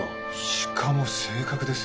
しかも正確ですよ。